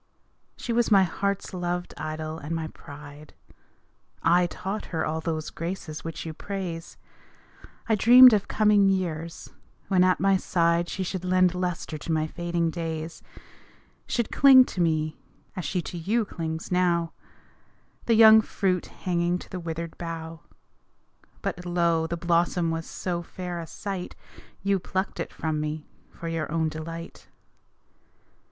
She was my heart's loved idle and my pride. I taught her all those graces which you praise, I dreamed of coming years, when at my side She should lend luster to my fading days, Should cling to me (as she to you clings now), The young fruit hanging to the withered bough. But lo! the blossom was so fair a sight, You plucked it from me for your own delight.